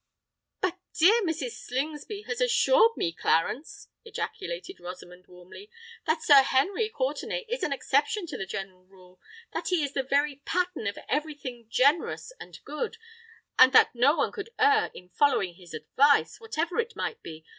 "But dear Mrs. Slingsby has assured me, Clarence," ejaculated Rosamond, warmly, "that Sir Henry Courtenay is an exception to the general rule—that he is the very pattern of every thing generous and good—and that no one could err in following his advice, whatever it might be.